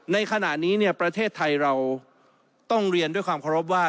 ในขณะนี้ประเทศไทยเราต้องเรียนด้วยความเคารพว่า